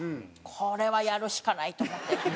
これはやるしかないと思って。